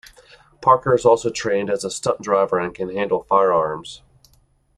Parker is also trained as a stunt driver and can handle firearms.